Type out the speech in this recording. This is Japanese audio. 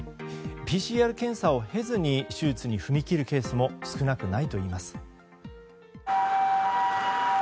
ＰＣＲ検査を経ずに手術に踏み切るケースも少なくないといいます。